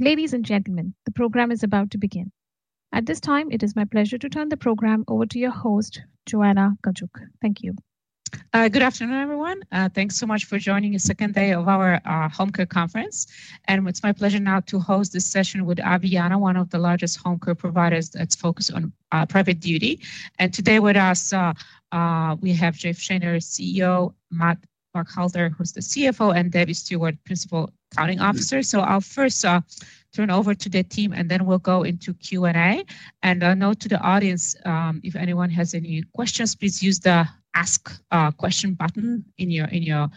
Ladies and gentlemen, the program is about to begin. At this time, it is my pleasure to turn the program over to your host, Joanna Gajuk. Thank you. Good afternoon, everyone. Thanks so much for joining the second day of our home care conference, and it's my pleasure now to host this session with Aveanna, one of the largest home care providers that's focused on private duty. And today with us, we have Jeff Shaner, CEO, Matt Buckhalter, who's the CFO, and Debbie Stewart, Principal Accounting Officer, so I'll first turn over to the team, and then we'll go into Q&A, and a note to the audience, if anyone has any questions, please use the Ask Question button in your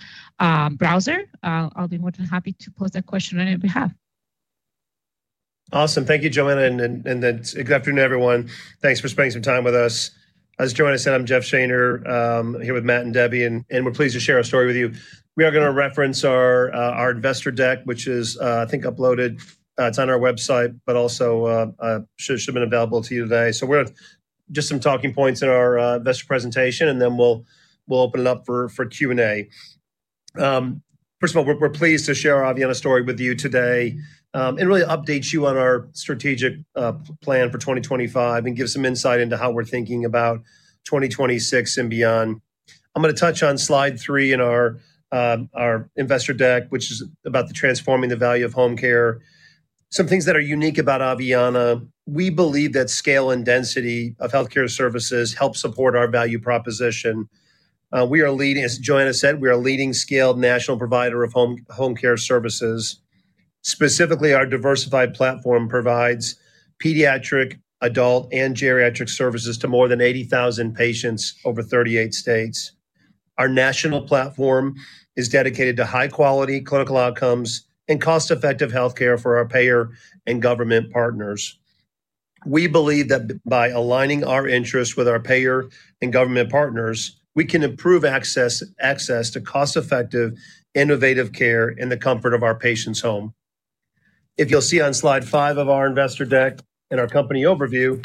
browser. I'll be more than happy to post that question on your behalf. Awesome. Thank you, Joanna. And then good afternoon, everyone. Thanks for spending some time with us. As Joanna said, I'm Jeff Shaner here with Matt and Debbie, and we're pleased to share our story with you. We are going to reference our investor deck, which is, I think, uploaded. It's on our website, but also should have been available to you today. So we're just some talking points in our investor presentation, and then we'll open it up for Q&A. First of all, we're pleased to share our Aveanna story with you today and really update you on our strategic plan for 2025 and give some insight into how we're thinking about 2026 and beyond. I'm going to touch on slide three in our investor deck, which is about transforming the value of home care. Some things that are unique about Aveanna. We believe that scale and density of healthcare services help support our value proposition. Joanna said, we are a leading scaled national provider of home care services. Specifically, our diversified platform provides pediatric, adult, and geriatric services to more than 80,000 patients over 38 states. Our national platform is dedicated to high-quality clinical outcomes and cost-effective healthcare for our payer and government partners. We believe that by aligning our interests with our payer and government partners, we can improve access to cost-effective, innovative care in the comfort of our patients' home. If you'll see on slide five of our investor deck and our company overview,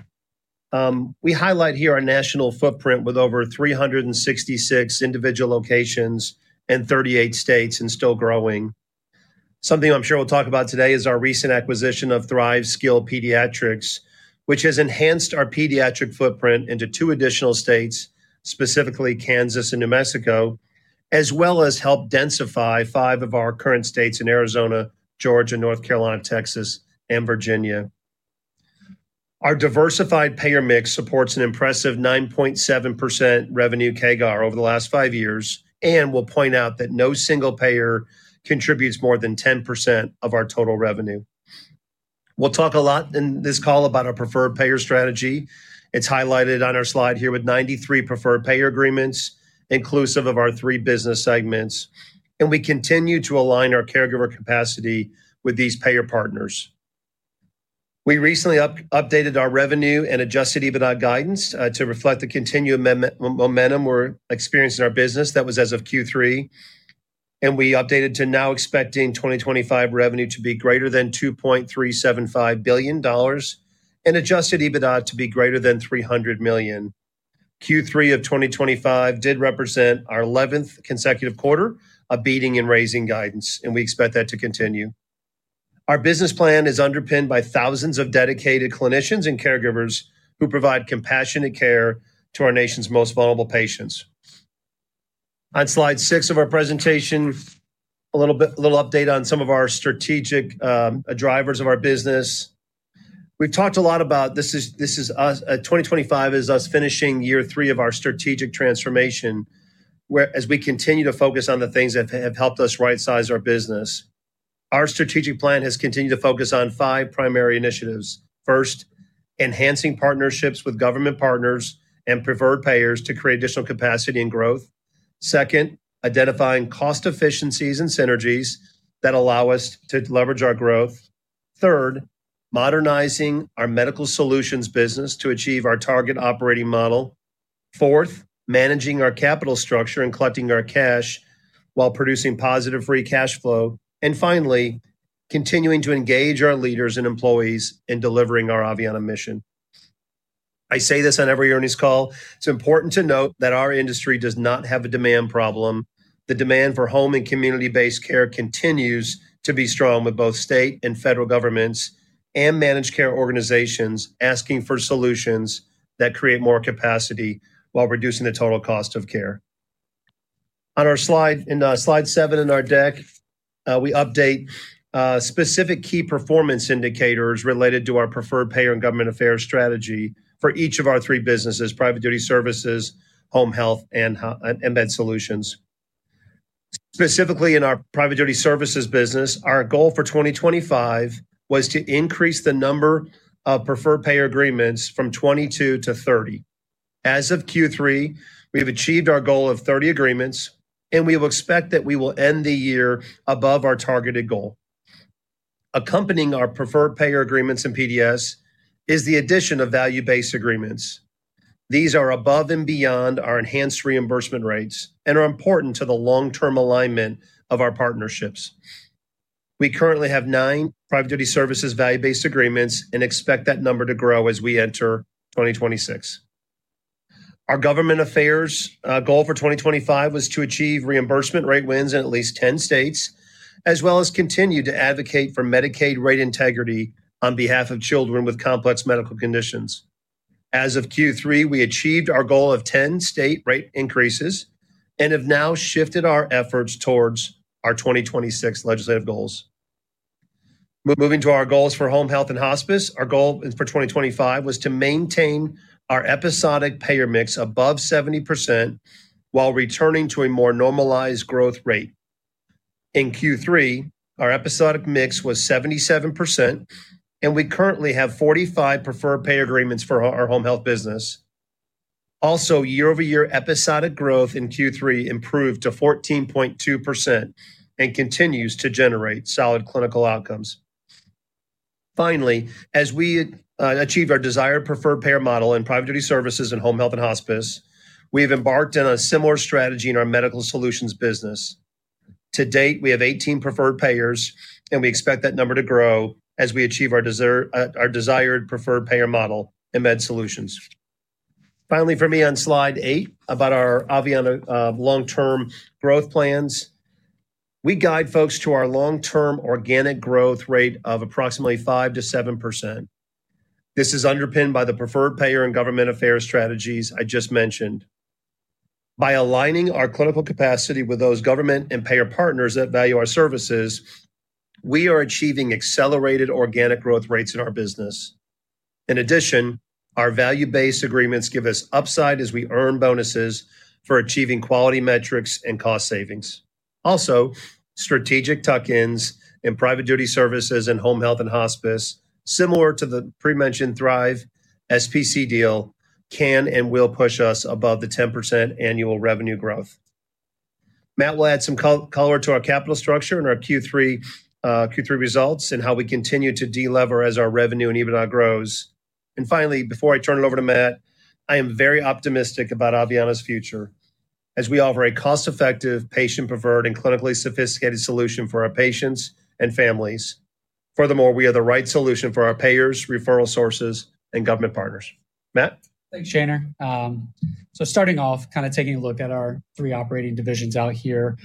we highlight here our national footprint with over 366 individual locations in 38 states and still growing. Something I'm sure we'll talk about today is our recent acquisition of Thrive Skilled Pediatrics, which has enhanced our pediatric footprint into two additional states, specifically Kansas and New Mexico, as well as helped densify five of our current states in Arizona, Georgia, North Carolina, Texas, and Virginia. Our diversified payer mix supports an impressive 9.7% revenue CAGR over the last five years, and we'll point out that no single payer contributes more than 10% of our total revenue. We'll talk a lot in this call about our preferred payer strategy. It's highlighted on our slide here with 93 preferred payer agreements, inclusive of our three business segments, and we continue to align our caregiver capacity with these payer partners. We recently updated our revenue and Adjusted EBITDA guidance to reflect the continued momentum we're experiencing in our business. That was as of Q3. And we updated to now expecting 2025 revenue to be greater than $2.375 billion and Adjusted EBITDA to be greater than $300 million. Q3 of 2025 did represent our 11th consecutive quarter of beating and raising guidance, and we expect that to continue. Our business plan is underpinned by thousands of dedicated clinicians and caregivers who provide compassionate care to our nation's most vulnerable patients. On slide six of our presentation, a little update on some of our strategic drivers of our business. We've talked a lot about this is 2025 is us finishing year three of our strategic transformation whereas we continue to focus on the things that have helped us right-size our business. Our strategic plan has continued to focus on five primary initiatives. First, enhancing partnerships with government partners and preferred payers to create additional capacity and growth. Second, identifying cost efficiencies and synergies that allow us to leverage our growth. Third, modernizing our Medical Solutions business to achieve our target operating model. Fourth, managing our capital structure and collecting our cash while producing positive free cash flow. And finally, continuing to engage our leaders and employees in delivering our Aveanna mission. I say this on every earnings call. It's important to note that our industry does not have a demand problem. The demand for home and community-based care continues to be strong with both state and federal governments and managed care organizations asking for solutions that create more capacity while reducing the total cost of care. On our slide in slide seven in our deck, we update specific key performance indicators related to our preferred payer and government affairs strategy for each of our three businesses: Private Duty Services, Home Health, and Med Solutions. Specifically in our private duty services business, our goal for 2025 was to increase the number of preferred payer agreements from 22 to 30. As of Q3, we have achieved our goal of 30 agreements, and we will expect that we will end the year above our targeted goal. Accompanying our preferred payer agreements in PDS is the addition of value-based agreements. These are above and beyond our enhanced reimbursement rates and are important to the long-term alignment of our partnerships. We currently have nine private duty services value-based agreements and expect that number to grow as we enter 2026. Our government affairs goal for 2025 was to achieve reimbursement rate wins in at least 10 states, as well as continue to advocate for Medicaid rate integrity on behalf of children with complex medical conditions. As of Q3, we achieved our goal of 10 state rate increases and have now shifted our efforts towards our 2026 legislative goals. Moving to our goals for Home Health and Hospice, our goal for 2025 was to maintain our episodic payer mix above 70% while returning to a more normalized growth rate. In Q3, our episodic mix was 77%, and we currently have 45 preferred payer agreements for our Home Health business. Also, year-over-year episodic growth in Q3 improved to 14.2% and continues to generate solid clinical outcomes. Finally, as we achieve our desired preferred payer model in Private Duty Services and Home Health and Hospice, we have embarked on a similar strategy in our Medical Solutions business. To date, we have 18 preferred payers, and we expect that number to grow as we achieve our desired preferred payer model in med solutions. Finally, for me on slide eight about our Aveanna long-term growth plans, we guide folks to our long-term organic growth rate of approximately 5%-7%. This is underpinned by the preferred payer and government affairs strategies I just mentioned. By aligning our clinical capacity with those government and payer partners that value our services, we are achieving accelerated organic growth rates in our business. In addition, our value-based agreements give us upside as we earn bonuses for achieving quality metrics and cost savings. Also, strategic tuck-ins in private duty services and home health and hospice, similar to the pre-mentioned Thrive SPC deal, can and will push us above the 10% annual revenue growth. Matt will add some color to our capital structure and our Q3 results and how we continue to delever as our revenue and EBITDA grows. Finally, before I turn it over to Matt, I am very optimistic about Aveanna's future as we offer a cost-effective, patient-preferred, and clinically sophisticated solution for our patients and families. Furthermore, we are the right solution for our payers, referral sources, and government partners. Matt. Thanks, Shaner. So starting off, kind of taking a look at our three operating divisions out here,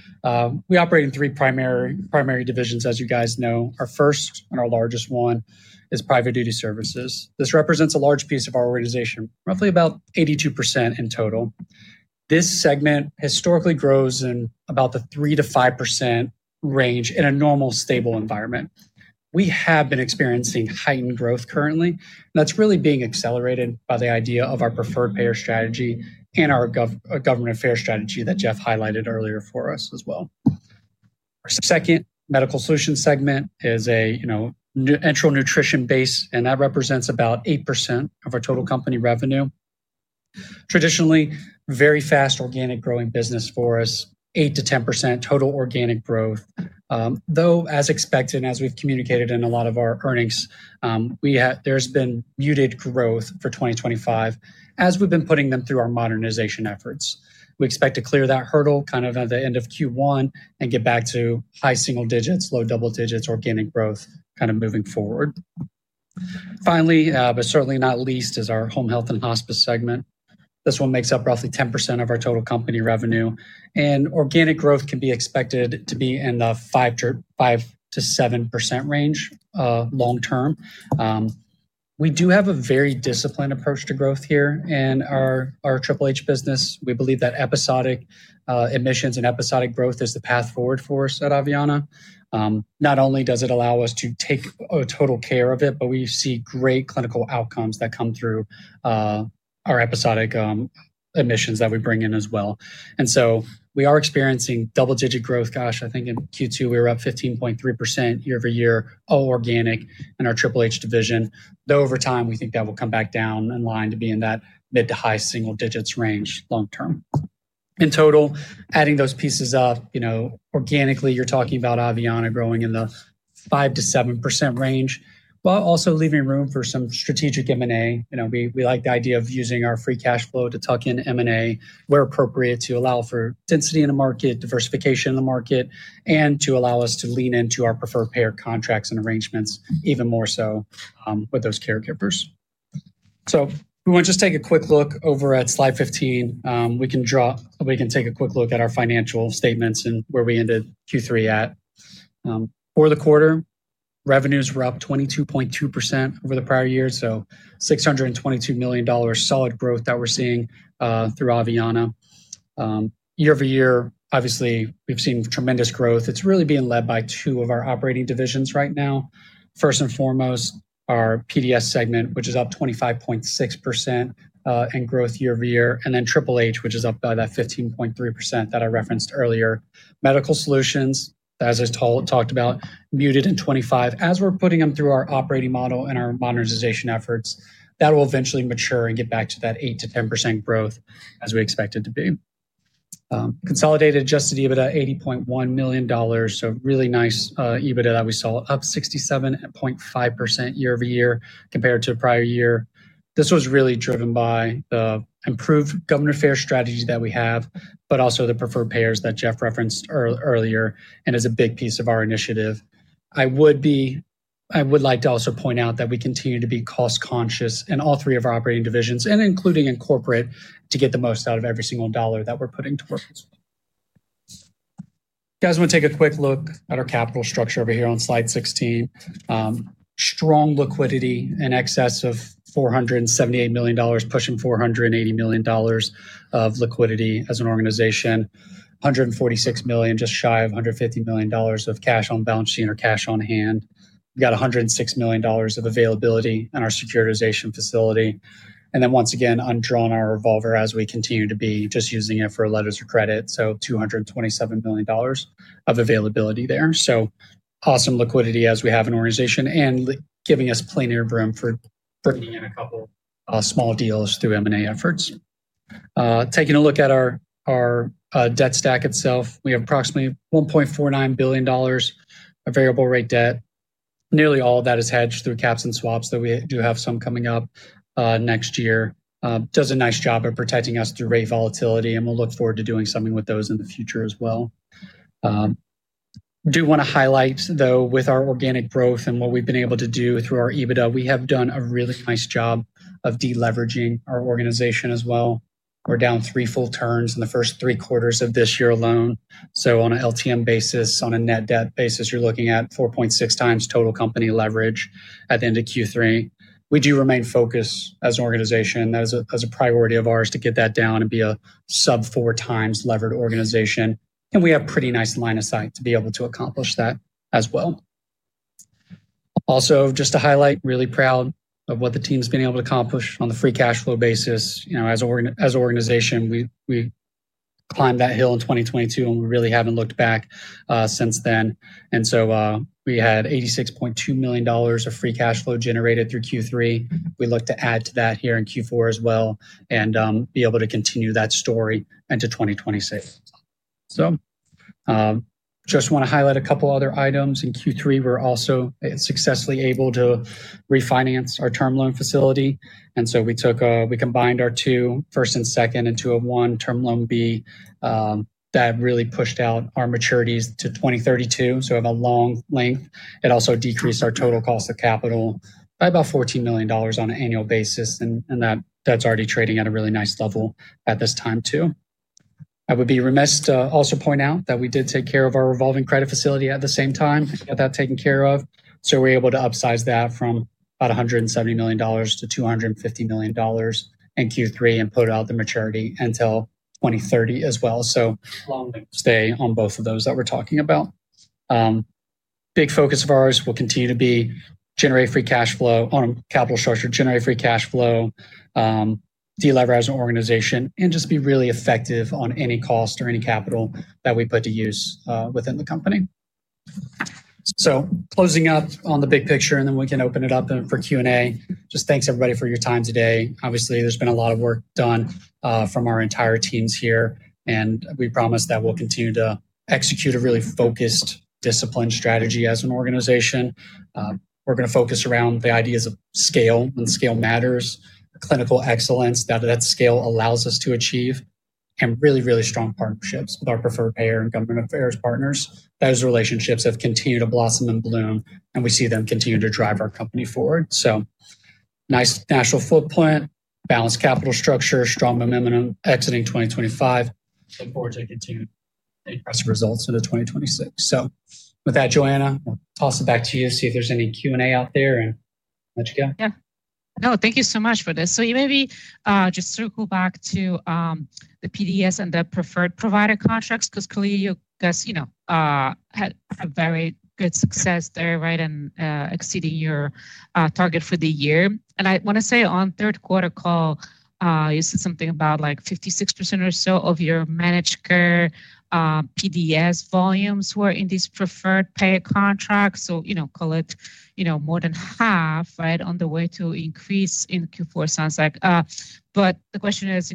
we operate in three primary divisions, as you guys know. Our first and our largest one is private duty services. This represents a large piece of our organization, roughly about 82% in total. This segment historically grows in about the 3%-5% range in a normal, stable environment. We have been experiencing heightened growth currently, and that's really being accelerated by the idea of our preferred payer strategy and our government affairs strategy that Jeff highlighted earlier for us as well. Our second Medical Solutions segment is an enteral nutrition base, and that represents about 8% of our total company revenue. Traditionally, very fast organic growing business for us, 8%-10% total organic growth. Though, as expected, and as we've communicated in a lot of our earnings, there's been muted growth for 2025 as we've been putting them through our modernization efforts. We expect to clear that hurdle kind of at the end of Q1 and get back to high single digits, low double digits, organic growth kind of moving forward. Finally, but certainly not least, is our home health and hospice segment. This one makes up roughly 10% of our total company revenue. And organic growth can be expected to be in the 5%-7% range long term. We do have a very disciplined approach to growth here in our Triple H business. We believe that episodic admissions and episodic growth is the path forward for us at Aveanna. Not only does it allow us to take total care of it, but we see great clinical outcomes that come through our episodic admissions that we bring in as well, and so we are experiencing double-digit growth. Gosh, I think in Q2, we were up 15.3% year over year all organic in our Triple H division. Though over time, we think that will come back down in line to be in that mid to high single digits range long term. In total, adding those pieces up, organically, you're talking about Aveanna growing in the 5%-7% range, while also leaving room for some strategic M&A. We like the idea of using our free cash flow to tuck in M&A where appropriate to allow for density in the market, diversification in the market, and to allow us to lean into our preferred payer contracts and arrangements even more so with those caregivers. So we want to just take a quick look over at slide 15. We can take a quick look at our financial statements and where we ended Q3 at. For the quarter, revenues were up 22.2% over the prior year, so $622 million, solid growth that we're seeing through Aveanna. Year-over-year, obviously, we've seen tremendous growth. It's really being led by two of our operating divisions right now. First and foremost, our PDS segment, which is up 25.6% in growth year over year, and then Triple H, which is up by that 15.3% that I referenced earlier. Medical Solutions, as I talked about, muted in 2025. As we're putting them through our operating model and our modernization efforts, that will eventually mature and get back to that 8%-10% growth as we expect it to be. Consolidated just to give it an $80.1 million, so really nice EBITDA that we saw, up 67.5% year-over-year compared to the prior year. This was really driven by the improved government affairs strategy that we have, but also the preferred payers that Jeff referenced earlier and is a big piece of our initiative. I would like to also point out that we continue to be cost-conscious in all three of our operating divisions, including in corporate, to get the most out of every single dollar that we're putting towards this. You guys want to take a quick look at our capital structure over here on slide 16. Strong liquidity in excess of $478 million, pushing $480 million of liquidity as an organization. $146 million, just shy of $150 million of cash on balance sheet or cash on hand. We've got $106 million of availability in our securitization facility. And then once again, undrawn our revolver as we continue to be just using it for letters of credit, so $227 million of availability there, so awesome liquidity as we have an organization and giving us plenty of room for bringing in a couple of small deals through M&A efforts. Taking a look at our debt stack itself, we have approximately $1.49 billion of variable rate debt. Nearly all of that is hedged through caps and swaps, though we do have some coming up next year. Does a nice job of protecting us through rate volatility, and we'll look forward to doing something with those in the future as well. I do want to highlight, though, with our organic growth and what we've been able to do through our EBITDA, we have done a really nice job of deleveraging our organization as well. We're down three full turns in the first three quarters of this year alone. So on an LTM basis, on a net debt basis, you're looking at 4.6 times total company leverage at the end of Q3. We do remain focused as an organization as a priority of ours to get that down and be a sub-four times levered organization, and we have a pretty nice line of sight to be able to accomplish that as well. Also, just to highlight, really proud of what the team's been able to accomplish on the free cash flow basis. As an organization, we climbed that hill in 2022, and we really haven't looked back since then, and so we had $86.2 million of free cash flow generated through Q3. We look to add to that here in Q4 as well and be able to continue that story into 2026, so just want to highlight a couple of other items. In Q3, we were also successfully able to refinance our term loan facility, and so we combined our two first and second into a one Term Loan B that really pushed out our maturities to 2032, so we have a long length. It also decreased our total cost of capital by about $14 million on an annual basis. And that's already trading at a really nice level at this time too. I would be remiss to also point out that we did take care of our revolving credit facility at the same time and get that taken care of. So we're able to upsize that from about $170 million to $250 million in Q3 and put out the maturity until 2030 as well. So stay on both of those that we're talking about. Big focus of ours will continue to be generate Free Cash Flow on capital structure, generate Free Cash Flow, deleverage the organization, and just be really effective on any cost or any capital that we put to use within the company. So closing up on the big picture, and then we can open it up for Q&A. Just thanks, everybody, for your time today. Obviously, there's been a lot of work done from our entire teams here, and we promise that we'll continue to execute a really focused, disciplined strategy as an organization. We're going to focus around the ideas of scale and scale matters, clinical excellence that scale allows us to achieve, and really, really strong partnerships with our preferred payer and government affairs partners. Those relationships have continued to blossom and bloom, and we see them continue to drive our company forward. So nice national footprint, balanced capital structure, strong momentum exiting 2025. Look forward to continuing to increase results into 2026. So with that, Joanna, I'll toss it back to you to see if there's any Q&A out there and let you go. Yeah. No, thank you so much for this. So maybe just circle back to the PDS and the preferred payer contracts because clearly you guys have very good success there, right, and exceeding your target for the year. And I want to say on third quarter call, you said something about like 56% or so of your managed care PDS volumes were in these preferred payer contracts. So call it more than half, right, on the way to increase in Q4, sounds like. But the question is,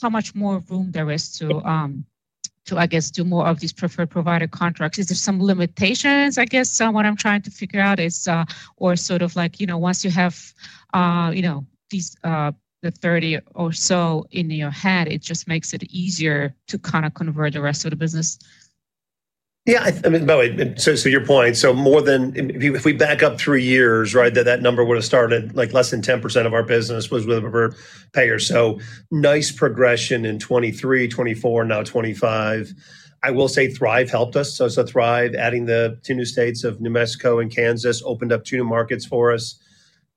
how much more room there is to, I guess, do more of these preferred payer contracts? Is there some limitations? I guess what I'm trying to figure out is, or sort of like once you have the 30 or so in your head, it just makes it easier to kind of convert the rest of the business. Yeah. I mean, by the way, so to your point, so more than if we back up three years, right, that number would have started like less than 10% of our business was with preferred payers. So nice progression in 2023, 2024, now 2025. I will say Thrive helped us. So Thrive, adding the two new states of New Mexico and Kansas, opened up two new markets for us.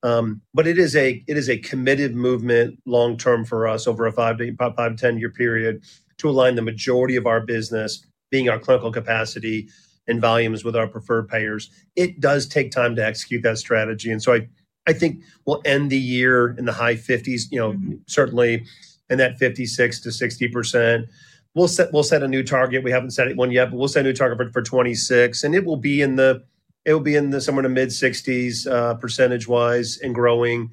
It is a committed movement long term for us over a 5-10-year period to align the majority of our business, being our clinical capacity and volumes with our preferred payers. It does take time to execute that strategy. I think we'll end the year in the high 50s, certainly in that 56%-60%. We'll set a new target. We haven't set one yet, but we'll set a new target for 2026. It will be somewhere in the mid-60s% and growing.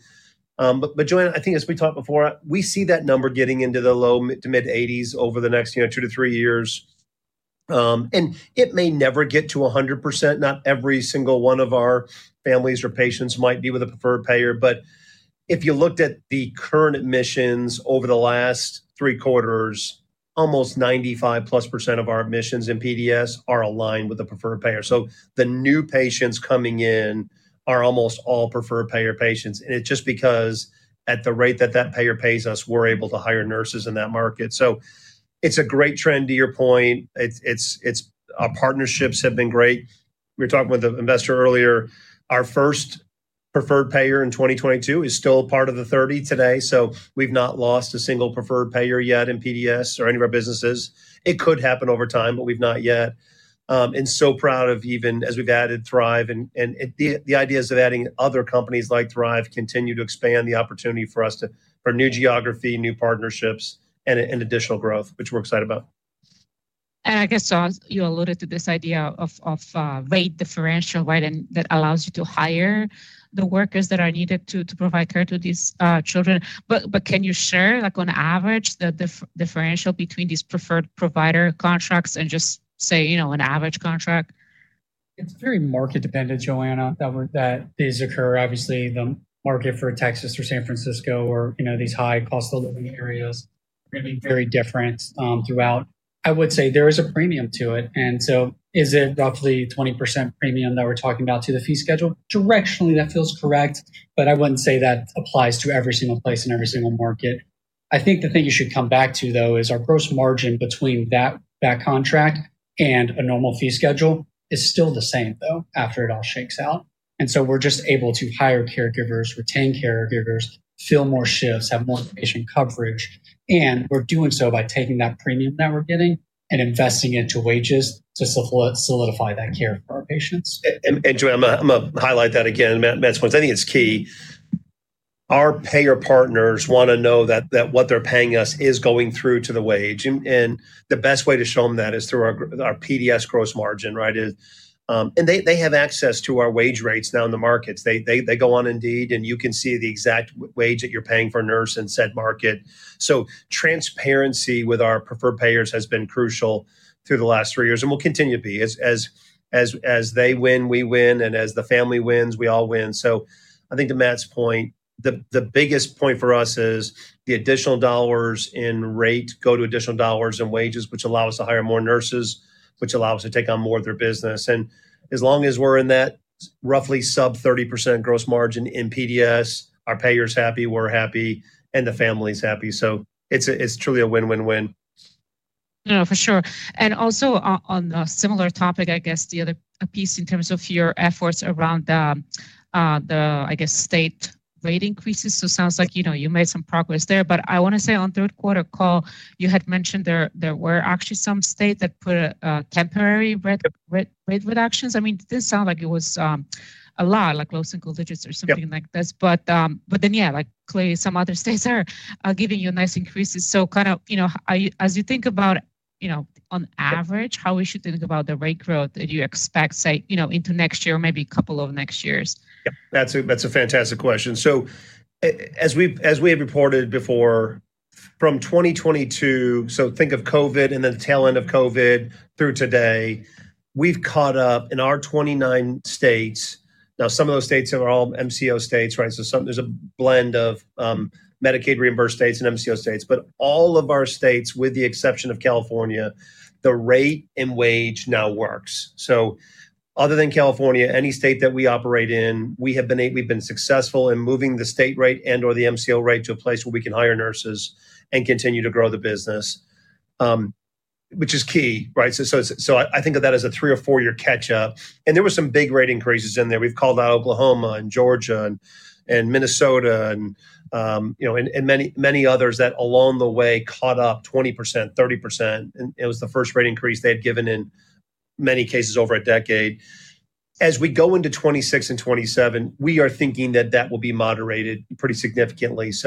Joanna, I think as we talked before, we see that number getting into the low- to mid-80s% over the next two to three years. It may never get to 100%. Not every single one of our families or patients might be with a preferred payer. If you looked at the current admissions over the last three quarters, almost 95-plus% of our admissions in PDS are aligned with the preferred payer. The new patients coming in are almost all preferred payer patients. It's just because at the rate that that payer pays us, we're able to hire nurses in that market. It's a great trend to your point. Our partnerships have been great. We were talking with the investor earlier. Our first preferred payer in 2022 is still part of the 30 today. So we've not lost a single preferred payer yet in PDS or any of our businesses. It could happen over time, but we've not yet. And so proud of even as we've added Thrive and the ideas of adding other companies like Thrive continue to expand the opportunity for us for new geography, new partnerships, and additional growth, which we're excited about. And I guess you alluded to this idea of rate differential, right, and that allows you to hire the workers that are needed to provide care to these children. But can you share on average the differential between these preferred provider contracts and just say an average contract? It's very market dependent, Joanna, that these occur. Obviously, the market for Texas or San Francisco or these high cost of living areas are going to be very different throughout. I would say there is a premium to it. And so is it roughly 20% premium that we're talking about to the fee schedule? Directionally, that feels correct, but I wouldn't say that applies to every single place in every single market. I think the thing you should come back to, though, is our gross margin between that contract and a normal fee schedule is still the same, though, after it all shakes out. And so we're just able to hire caregivers, retain caregivers, fill more shifts, have more patient coverage. And we're doing so by taking that premium that we're getting and investing into wages to solidify that care for our patients. Joanna, I'm going to highlight that again, Matt's points. I think it's key. Our payer partners want to know that what they're paying us is going through to the wage. The best way to show them that is through our PDS gross margin, right? They have access to our wage rates now in the markets. They go on Indeed, and you can see the exact wage that you're paying for a nurse in said market. Transparency with our preferred payers has been crucial through the last three years, and will continue to be. As they win, we win, and as the family wins, we all win. I think to Matt's point, the biggest point for us is the additional dollars in rate go to additional dollars in wages, which allow us to hire more nurses, which allow us to take on more of their business. As long as we're in that roughly sub-30% gross margin in PDS, our payer's happy, we're happy, and the family's happy. It's truly a win-win-win. No, for sure. And also on a similar topic, I guess, the other piece in terms of your efforts around the, I guess, state rate increases. So it sounds like you made some progress there. But I want to say on third quarter call, you had mentioned there were actually some states that put temporary rate reductions. I mean, it didn't sound like it was a lot, like low single digits or something like this. But then, yeah, clearly some other states are giving you nice increases. So kind of as you think about, on average, how we should think about the rate growth that you expect, say, into next year or maybe a couple of next years? That's a fantastic question. So as we have reported before, from 2022, so think of COVID and then the tail end of COVID through today, we've caught up in our 29 states. Now, some of those states are all MCO states, right? So there's a blend of Medicaid-reimbursed states and MCO states. But all of our states, with the exception of California, the rate and wage now works. So other than California, any state that we operate in, we have been successful in moving the state rate and/or the MCO rate to a place where we can hire nurses and continue to grow the business, which is key, right? So I think of that as a three or four-year catch-up. And there were some big rate increases in there. We've called out Oklahoma and Georgia and Minnesota and many others that along the way caught up 20%, 30%. It was the first rate increase they had given in many cases over a decade. As we go into 2026 and 2027, we are thinking that that will be moderated pretty significantly. We talked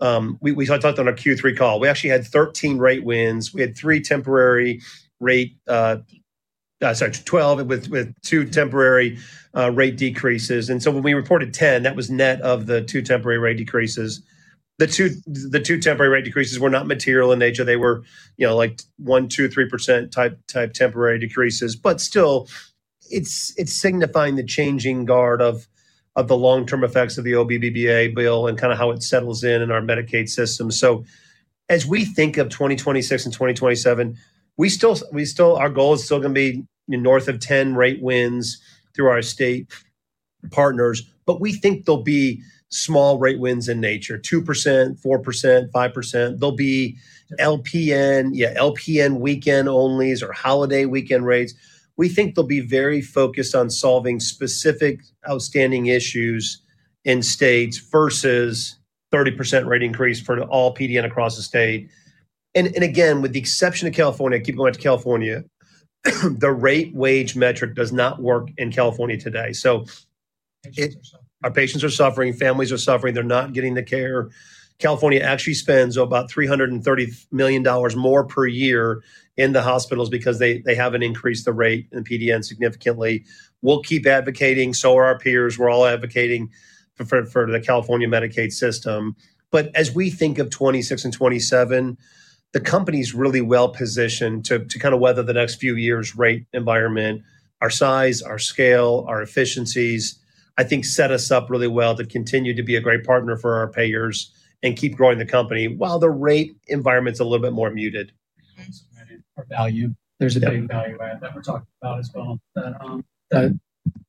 on our Q3 call. We actually had 13 rate wins. We had 12 with two temporary rate decreases. When we reported 10, that was net of the two temporary rate decreases. The two temporary rate decreases were not material in nature. They were like one, two, three%-type temporary decreases. Still, it's signifying the changing of the guard of the long-term effects of the OBBBA bill and kind of how it settles in in our Medicaid system. As we think of 2026 and 2027, our goal is still going to be north of 10 rate wins through our state partners. But we think there'll be small rate wins in nature, 2%, 4%, 5%. There'll be LPN, yeah, LPN weekend onlys or holiday weekend rates. We think there'll be very focused on solving specific outstanding issues in states versus 30% rate increase for all PDN across the state. And again, with the exception of California, keep going back to California, the rate wage metric does not work in California today. So our patients are suffering. Families are suffering. They're not getting the care. California actually spends about $330 million more per year in the hospitals because they haven't increased the rate in PDN significantly. We'll keep advocating. So are our peers. We're all advocating for the California Medicaid system. But as we think of 2026 and 2027, the company's really well positioned to kind of weather the next few years' rate environment. Our size, our scale, our efficiencies, I think set us up really well to continue to be a great partner for our payers and keep growing the company while the rate environment's a little bit more muted. It's great for value. There's a big value add that we're talking about as well that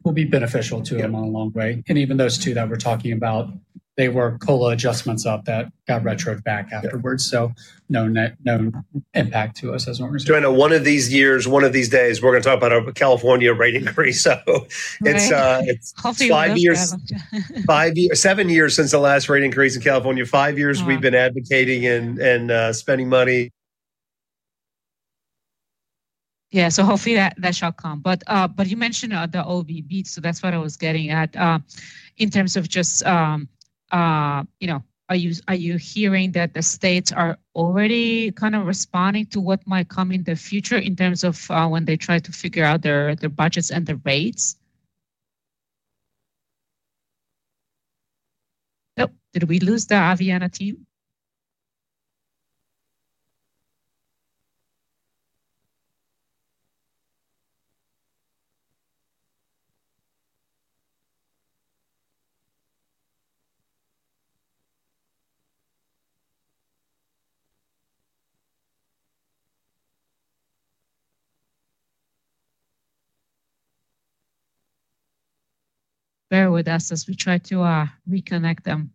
will be beneficial to them on a long way. And even those two that we're talking about, they were COLA adjustments up that got retroactive back afterwards. So no impact to us as a result. Joanna, one of these years, one of these days, we're going to talk about a California rate increase. So it's five years, seven years since the last rate increase in California. Five years we've been advocating and spending money. Yeah. So hopefully that shall come. But you mentioned the OBB, so that's what I was getting at. In terms of just are you hearing that the states are already kind of responding to what might come in the future in terms of when they try to figure out their budgets and the rates? Oh, did we lose the Aveanna team? Bear with us as we try to reconnect them.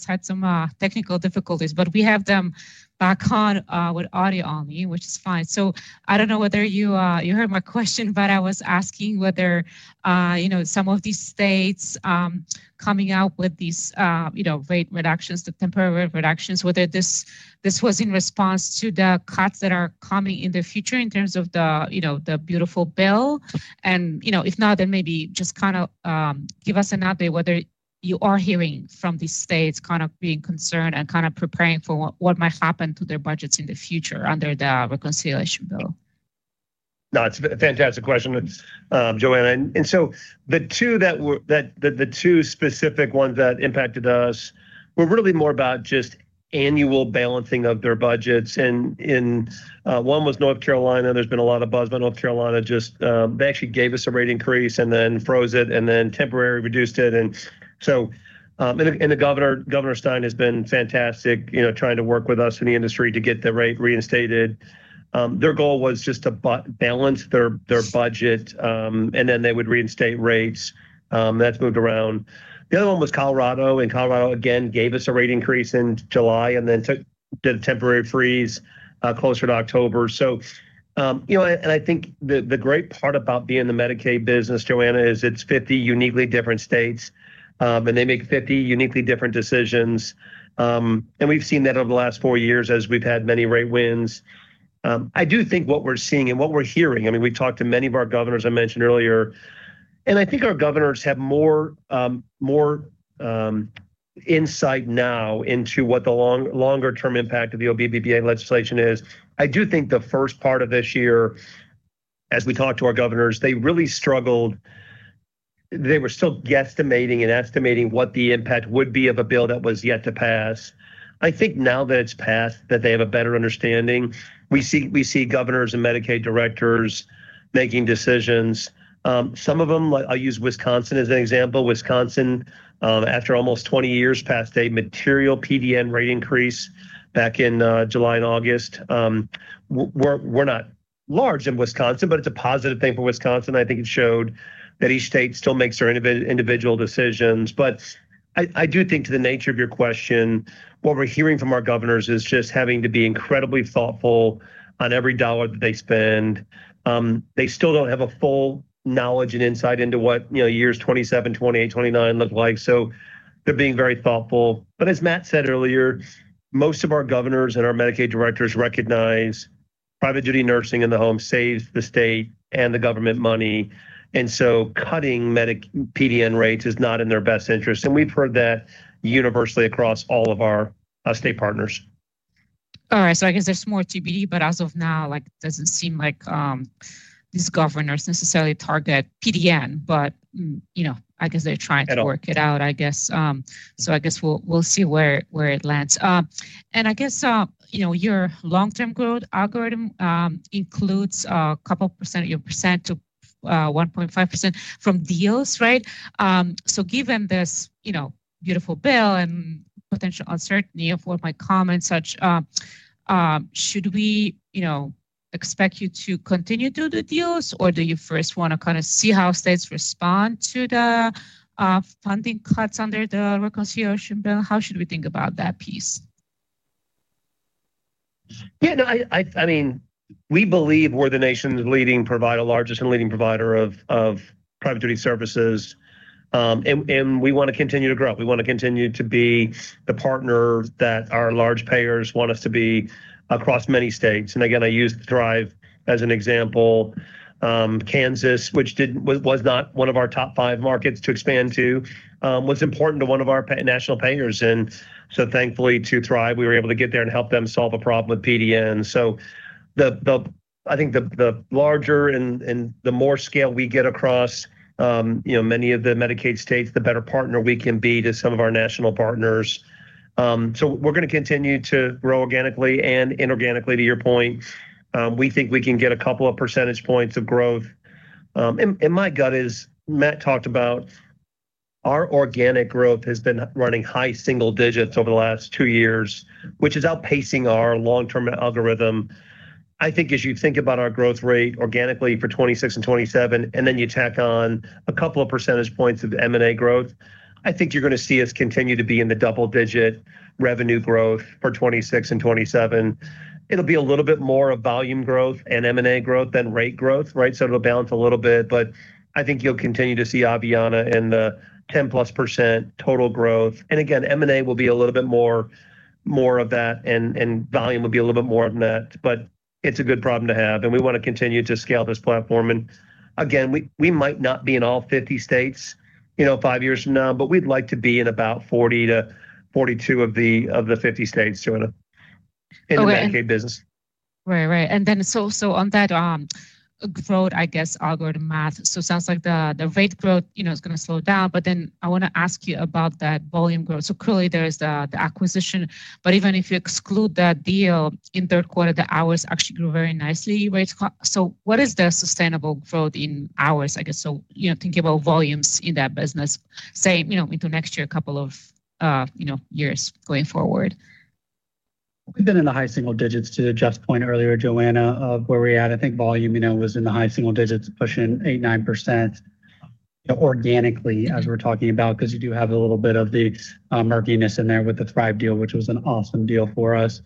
The Aveanna team has had some technical difficulties, but we have them back on with audio only, which is fine. So I don't know whether you heard my question, but I was asking whether some of these states coming out with these rate reductions, the temporary reductions, whether this was in response to the cuts that are coming in the future in terms of the Build Back Better bill. If not, then maybe just kind of give us an update whether you are hearing from these states kind of being concerned and kind of preparing for what might happen to their budgets in the future under the reconciliation bill? No, it's a fantastic question, Joanna. And so the two that were the two specific ones that impacted us were really more about just annual balancing of their budgets. And one was North Carolina. There's been a lot of buzz about North Carolina. They actually gave us a rate increase and then froze it and then temporarily reduced it. And so Governor Stein has been fantastic trying to work with us in the industry to get the rate reinstated. Their goal was just to balance their budget, and then they would reinstate rates. That's moved around. The other one was Colorado. And Colorado, again, gave us a rate increase in July and then did a temporary freeze closer to October. And I think the great part about being in the Medicaid business, Joanna, is it's 50 uniquely different states, and they make 50 uniquely different decisions. We've seen that over the last four years as we've had many rate wins. I do think what we're seeing and what we're hearing, I mean, we've talked to many of our governors I mentioned earlier. I think our governors have more insight now into what the longer-term impact of the OBBBA legislation is. I do think the first part of this year, as we talked to our governors, they really struggled. They were still guesstimating and estimating what the impact would be of a bill that was yet to pass. I think now that it's passed, that they have a better understanding. We see governors and Medicaid directors making decisions. Some of them, I'll use Wisconsin as an example. Wisconsin, after almost 20 years, passed a material PDN rate increase back in July and August. We're not large in Wisconsin, but it's a positive thing for Wisconsin. I think it showed that each state still makes their individual decisions. But I do think to the nature of your question, what we're hearing from our governors is just having to be incredibly thoughtful on every dollar that they spend. They still don't have a full knowledge and insight into what years 2027, 2028, 2029 look like. So they're being very thoughtful. But as Matt said earlier, most of our governors and our Medicaid directors recognize private duty nursing in the home saves the state and the government money. And so cutting PDN rates is not in their best interest. And we've heard that universally across all of our state partners. All right, so I guess there's more TBD, but as of now, it doesn't seem like these governors necessarily target PDN, but I guess they're trying to work it out, I guess, so I guess we'll see where it lands, and I guess your long-term growth algorithm includes a couple % of your % to 1.5% from deals, right, so given this beautiful bill and potential uncertainty of what might come and such, should we expect you to continue to do deals, or do you first want to kind of see how states respond to the funding cuts under the reconciliation bill? How should we think about that piece? Yeah. No, I mean, we believe we're the nation's leading provider, largest and leading provider of private duty services, and we want to continue to grow. We want to continue to be the partner that our large payers want us to be across many states, and again, I use Thrive as an example. Kansas, which was not one of our top five markets to expand to, was important to one of our national payers, and so thankfully, to Thrive, we were able to get there and help them solve a problem with PDN, so I think the larger and the more scale we get across many of the Medicaid states, the better partner we can be to some of our national partners, so we're going to continue to grow organically and inorganically, to your point. We think we can get a couple of percentage points of growth. My gut is Matt talked about our organic growth has been running high single digits over the last two years, which is outpacing our long-term algorithm. I think as you think about our growth rate organically for 2026 and 2027, and then you tack on a couple of percentage points of M&A growth, I think you're going to see us continue to be in the double-digit revenue growth for 2026 and 2027. It'll be a little bit more of volume growth and M&A growth than rate growth, right? So it'll balance a little bit. But I think you'll continue to see Aveanna in the 10-plus% total growth. And again, M&A will be a little bit more of that, and volume will be a little bit more of that. But it's a good problem to have. And we want to continue to scale this platform. Again, we might not be in all 50 states five years from now, but we'd like to be in about 40 to 42 of the 50 states, Joanna, in the Medicaid business. Right. Right. And then, so on that growth, I guess, algorithm math. So it sounds like the rate growth is going to slow down. But then I want to ask you about that volume growth. So clearly, there is the acquisition. But even if you exclude that deal in third quarter, the hours actually grew very nicely. So what is the sustainable growth in hours, I guess? So thinking about volumes in that business, say, into next year, a couple of years going forward. We've been in the high single digits to Jeff's point earlier, Joanna, of where we're at. I think volume was in the high single digits, pushing 8-9% organically, as we're talking about, because you do have a little bit of the murkiness in there with the Thrive deal, which was an awesome deal for us.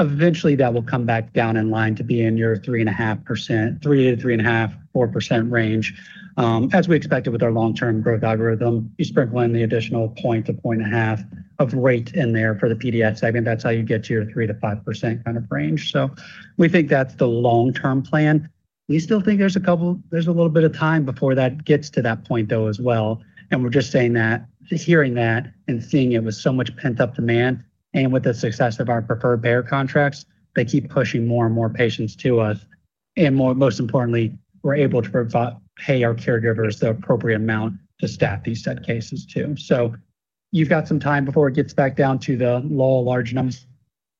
Eventually, that will come back down in line to be in your 3.5%, 3-3.5-4% range, as we expected with our long-term growth algorithm. You sprinkle in the additional point to point and a half of rate in there for the PDS segment. That's how you get to your 3-5% kind of range, so we think that's the long-term plan. We still think there's a little bit of time before that gets to that point, though, as well. And we're just saying that, hearing that, and seeing it with so much pent-up demand and with the success of our preferred payer contracts, they keep pushing more and more patients to us. And most importantly, we're able to pay our caregivers the appropriate amount to staff these set cases too. So you've got some time before it gets back down to the low large numbers,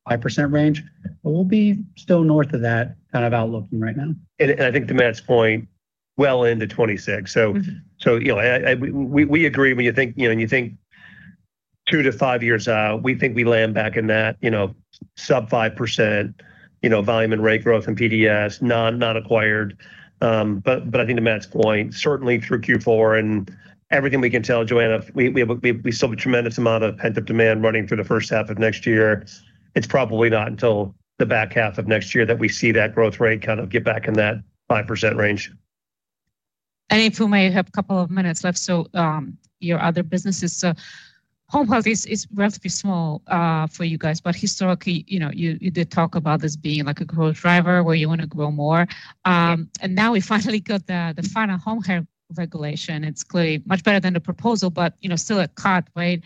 5% range. But we'll be still north of that kind of outlooking right now. And I think to Matt's point, well into 2026. So we agree when you think two to five years out, we think we land back in that sub 5% volume and rate growth in PDS, non-acquired. But I think to Matt's point, certainly through Q4 and everything we can tell, Joanna, we still have a tremendous amount of pent-up demand running through the first half of next year. It's probably not until the back half of next year that we see that growth rate kind of get back in that 5% range. And if we might have a couple of minutes left, so your other businesses, so home health is relatively small for you guys. But historically, you did talk about this being a growth driver where you want to grow more. And now we finally got the final home health regulation. It's clearly much better than the proposal, but still a cut, right?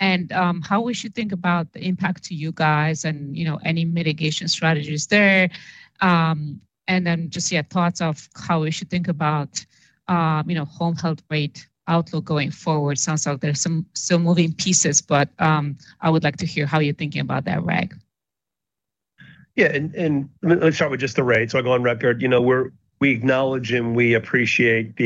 And how we should think about the impact to you guys and any mitigation strategies there. And then just, yeah, thoughts of how we should think about home health rate outlook going forward. Sounds like there's some moving pieces, but I would like to hear how you're thinking about that, Rag. Yeah. And let's start with just the rate. So I'll go on record. We acknowledge and we appreciate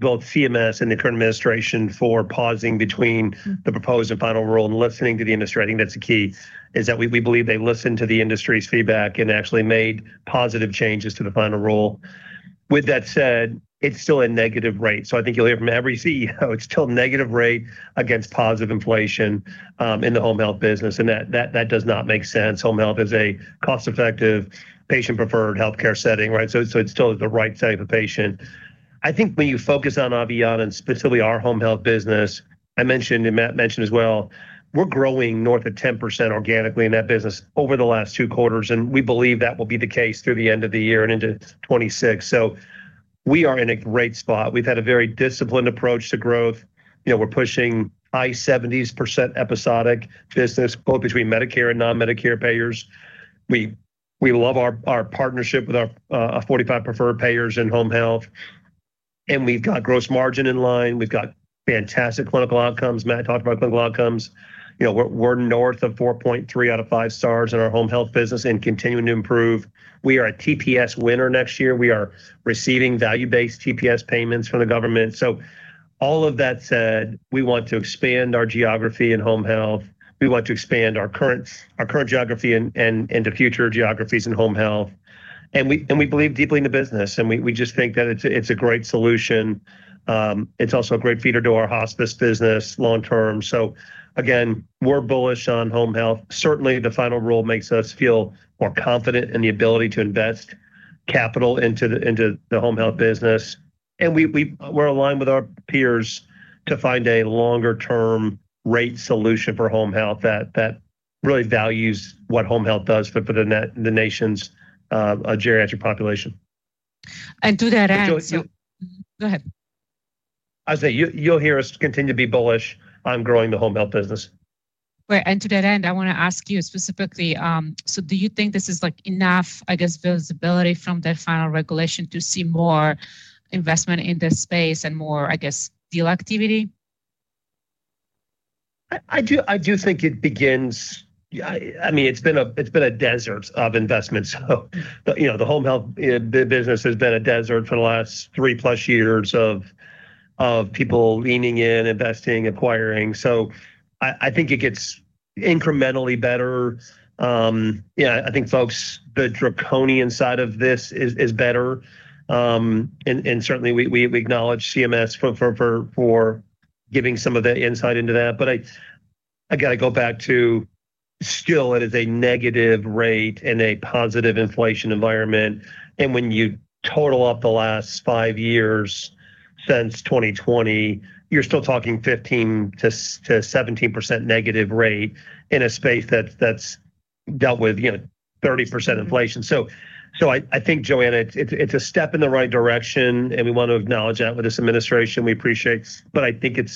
both CMS and the current administration for pausing between the proposed and final rule and listening to the industry. I think that's the key, is that we believe they listened to the industry's feedback and actually made positive changes to the final rule. With that said, it's still a negative rate. So I think you'll hear from every CEO; it's still a negative rate against positive inflation in the home health business. And that does not make sense. Home health is a cost-effective, patient-preferred healthcare setting, right? So it's still the right type of patient. I think when you focus on Aveanna and specifically our home health business, I mentioned, and Matt mentioned as well, we're growing north of 10% organically in that business over the last two quarters. We believe that will be the case through the end of the year and into 2026. We are in a great spot. We've had a very disciplined approach to growth. We're pushing high 70s% episodic business, both between Medicare and non-Medicare payers. We love our partnership with our 45 preferred payers in home health. We've got gross margin in line. We've got fantastic clinical outcomes. Matt talked about clinical outcomes. We're north of 4.3 out of 5 stars in our home health business and continuing to improve. We are a TPS winner next year. We are receiving value-based TPS payments from the government. All of that said, we want to expand our geography in home health. We want to expand our current geography and the future geographies in home health. We believe deeply in the business. We just think that it's a great solution. It's also a great feeder to our hospice business long-term. Again, we're bullish on home health. Certainly, the final rule makes us feel more confident in the ability to invest capital into the home health business. We're aligned with our peers to find a longer-term rate solution for home health that really values what home health does for the nation's geriatric population. To that end. Joanna. Go ahead. I was going to say, you'll hear us continue to be bullish on growing the home health business. Right. And to that end, I want to ask you specifically, so do you think this is enough, I guess, visibility from that final regulation to see more investment in this space and more, I guess, deal activity? I do think it begins. I mean, it's been a desert of investments. So the home health business has been a desert for the last three-plus years of people leaning in, investing, acquiring. So I think it gets incrementally better. Yeah, I think folks, the draconian side of this is better. And certainly, we acknowledge CMS for giving some of the insight into that. But I got to go back to still, it is a negative rate in a positive inflation environment. And when you total up the last five years since 2020, you're still talking 15%-17% negative rate in a space that's dealt with 30% inflation. So I think, Joanna, it's a step in the right direction. And we want to acknowledge that with this administration. We appreciate it. But I think it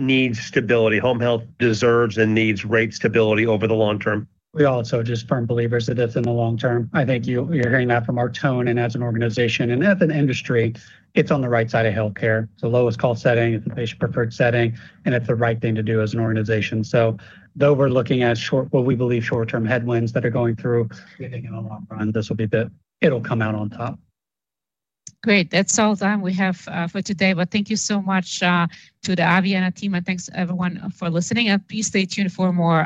needs stability. Home health deserves and needs rate stability over the long term. We also are just firm believers that it's in the long term. I think you're hearing that from our tone and as an organization and as an industry, it's on the right side of healthcare. It's the lowest cost setting. It's the patient-preferred setting, and it's the right thing to do as an organization. So, though we're looking at what we believe short-term headwinds that are going through, leading in the long run, this will be the it'll come out on top. Great. That's all the time we have for today. But thank you so much to the Aveanna team. And thanks, everyone, for listening. And please stay tuned for more.